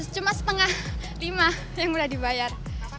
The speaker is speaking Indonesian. cuma setengah lima yang mudah dibayar